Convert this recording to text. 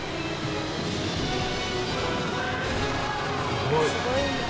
すごい。